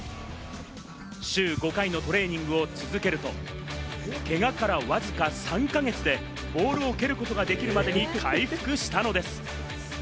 週５回のトレーニングを続けると、けがからわずか３か月でボールを蹴ることができるまでに回復したのです。